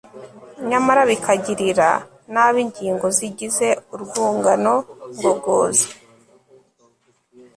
nyamara bikagirira nabi ingingo zigize urwungano ngogozi